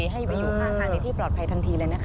ให้ไปอยู่ข้างทางในที่ปลอดภัยทันทีเลยนะคะ